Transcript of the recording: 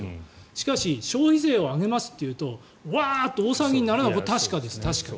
しかし消費税を上げますと言うとワーッと大騒ぎになるのは確かです。